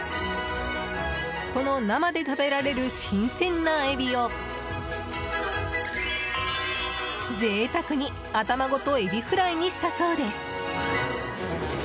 この生で食べられる新鮮なエビを贅沢に頭ごとエビフライにしたそうです。